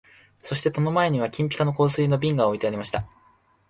そして戸の前には金ピカの香水の瓶が置いてありました